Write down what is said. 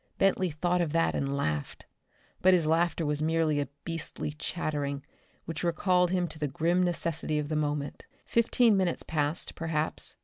Bentley thought of that and laughed; but his laughter was merely a beastly chattering which recalled him to the grim necessity of the moment. Fifteen minutes passed, perhaps.